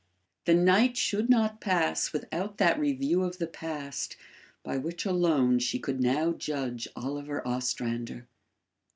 The night should not pass without that review of the past by which alone she could now judge Oliver Ostrander.